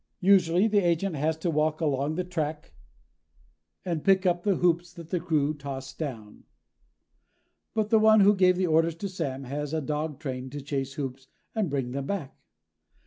Usually the agent has to walk along the track and pick up hoops that the crew toss down. But the one who gave the orders to Sam has a dog trained to chase hoops and bring them back!